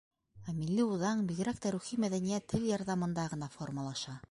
Ә милли үҙаң, бигерәк тә рухи мәҙәниәт тел ярҙамында ғына формалаша.